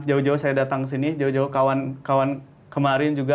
jauh jauh saya datang ke sini jauh jauh kawan kawan kemarin juga